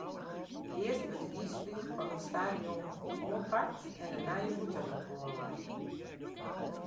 Earst wurdt de iisflier fan it stadion oanpakt en de nije bûtenring oanlein.